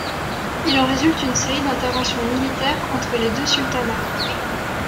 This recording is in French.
Il en résulte une série d'interventions militaires entre les deux sultanats.